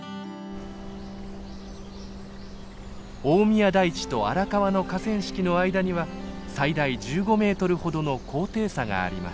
大宮台地と荒川の河川敷の間には最大１５メートルほどの高低差があります。